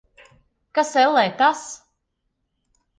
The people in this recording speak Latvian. Kas, ellē, tas?